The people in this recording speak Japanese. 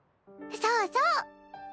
そうそう。